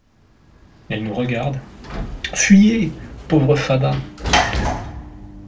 Elle nous regarde :— Fuyez, pauvres fadas.